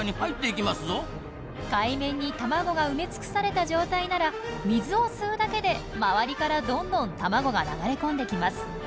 海面に卵が埋め尽くされた状態なら水を吸うだけで周りからどんどん卵が流れ込んできます。